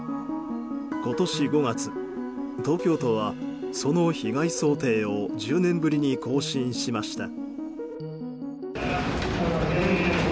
今年５月、東京都はその被害想定を１０年ぶりに更新しました。